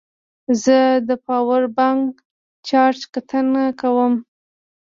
زه د پاور بانک چارج کتنه کوم.